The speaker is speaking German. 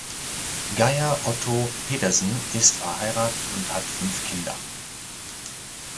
Geir Otto Pedersen ist verheiratet und hat fünf Kinder.